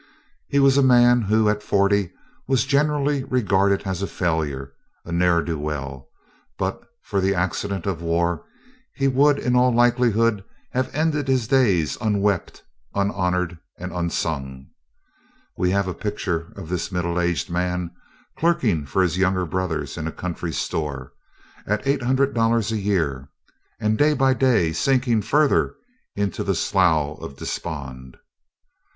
Here was a man who, at forty, was generally regarded as a failure, a ne'er do well. But for the accident of war he would in all likelihood have ended his days "unwept, unhonored, and unsung." We have a picture of this middle aged man, clerking for his younger brothers in a country store, at eight hundred dollars a year, and day by day sinking further into the slough of despond.